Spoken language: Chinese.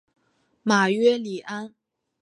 马约里安。